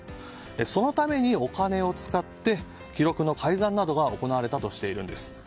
そのためにお金を使って記録の改ざんなどが行われたということです。